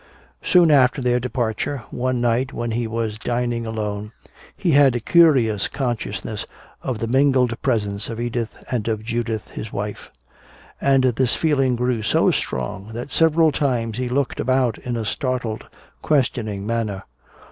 Soon after their departure, one night when he was dining alone, he had a curious consciousness of the mingled presence of Edith and of Judith his wife. And this feeling grew so strong that several times he looked about in a startled, questioning manner.